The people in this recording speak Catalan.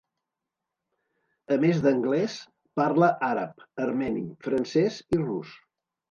A més d'anglès, parla àrab, armeni, francès i rus.